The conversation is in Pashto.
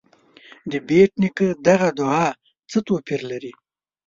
د بېټ نیکه دغه دعا څه توپیر لري.